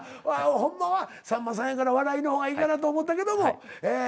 ホンマはさんまさんやから笑いの方がいいかなと思ったけども。